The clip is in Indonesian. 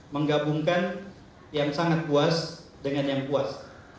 menggabungkan yang sangat puas dengan yang puas